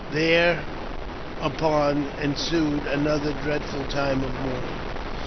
Thereupon ensued another dreadful time of mourning.